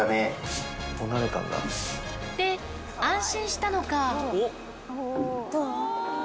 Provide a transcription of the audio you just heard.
で、安心したのか。